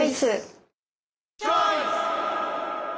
チョイス！